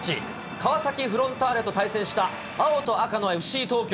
川崎フロンターレと対戦した青と赤のＦＣ東京。